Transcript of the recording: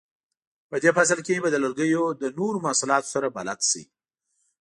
په دې فصل کې به د لرګیو له نورو محصولاتو سره بلد شئ.